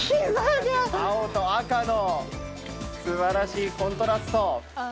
青と赤の素晴らしいコントラスト。